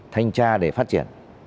thanh tra để phát triển